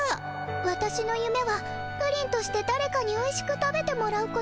わたしのゆめはプリンとしてだれかにおいしく食べてもらうこと。